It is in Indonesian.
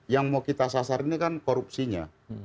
yang mau kita sasar ini kan korupsinya